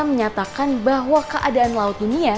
menyatakan bahwa keadaan laut dunia